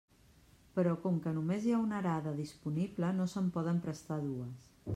Però com que només hi ha una arada disponible, no se'n poden prestar dues.